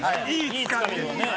いいつかみですね。